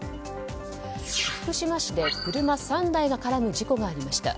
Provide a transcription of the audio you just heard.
福島市で車３台が絡む事故がありました。